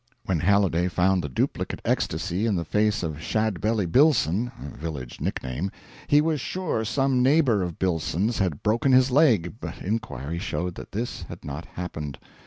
When Halliday found the duplicate ecstasy in the face of "Shadbelly" Billson (village nickname), he was sure some neighbour of Billson's had broken his leg, but inquiry showed that this had not happened.